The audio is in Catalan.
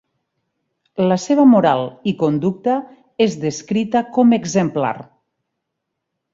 La seva moral i conducta és descrita com exemplar.